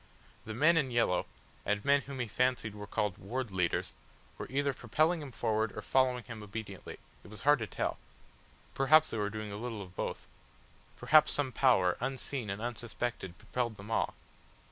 The men in yellow, and men whom he fancied were called Ward Leaders, were either propelling him forward or following him obediently; it was hard to tell. Perhaps they were doing a little of both. Perhaps some power unseen and unsuspected propelled them all.